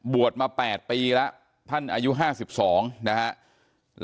บวชมา๘ปีแล้วท่านอายุห้าสิบสองนะฮะ